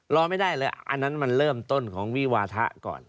รอไม่ได้เลยอันนั้นมันเริ่มต้นของวิวาทะก่อน